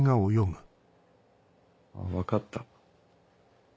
分かった。